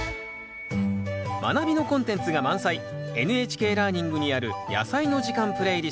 「まなび」のコンテンツが満載「ＮＨＫラーニング」にある「やさいの時間」プレイリスト。